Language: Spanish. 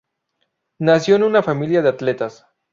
Nació en una familia de atletas.